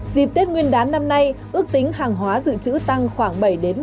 dịp tết nguyên đán năm nay ước tính hàng hóa dự trữ tăng khoảng bảy ba mươi